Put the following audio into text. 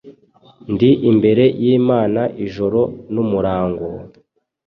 Ndi imbere y'Imana ijoro n'umurango,